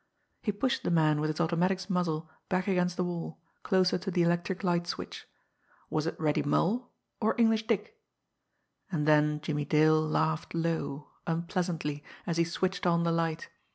He pushed the man with his automatic's muzzle back against the wall, closer to the electric light switch. Was it Reddy Mull or English Dick? And then Jimmie Dale laughed low, unpleasantly, as he switched on the light.